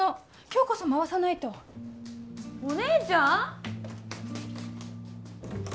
今日こそ回さないとお姉ちゃん？